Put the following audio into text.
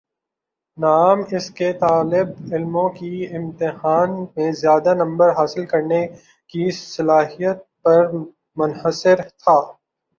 نعام اس کی طالبعلموں کی امتحان میں زیادہ نمبر حاصل کرنے کی صلاحیت پر منحصر تھا